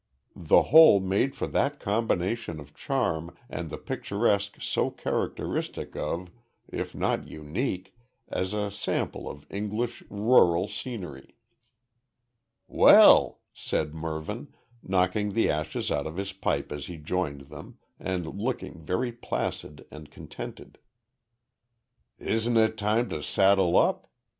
The whole made for that combination of charm and the picturesque so characteristic of, if not unique, as a sample of English rural scenery. "Well," said Mervyn, knocking the ashes out of his pipe as he joined them, and looking very placid and contented. "Isn't it time to saddle up?